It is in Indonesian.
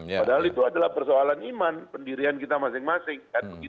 padahal itu adalah persoalan iman pendirian kita masing masing